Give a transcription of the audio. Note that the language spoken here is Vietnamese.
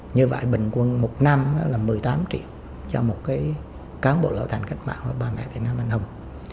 như vậy bình quân một năm là một mươi tám triệu cho một cán bộ lão thành cách mạng của bà mẹ việt nam anh hùng